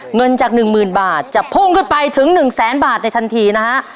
เงินจากหนึ่งหมื่นบาทจะพุ่งขึ้นไปถึงหนึ่งแสนบาทในทันทีนะฮะ